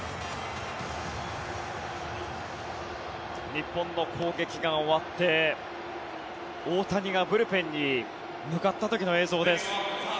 日本の攻撃が終わって大谷がブルペンに向かった時の映像です。